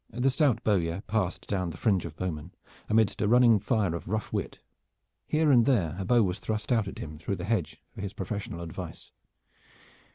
The stout bowyer passed down the fringe of bowmen, amidst a running fire of rough wit. Here and there a bow was thrust out at him through the hedge for his professional advice.